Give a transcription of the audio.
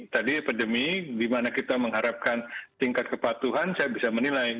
tadi epidemi dimana kita mengharapkan tingkat kepatuhan saya bisa menilai